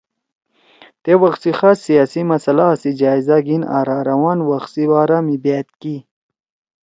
تے وخ سی خاص سیاسی مسائلا سی جائزہ گھیِن آں راروان وخ سی بارا می بأت کی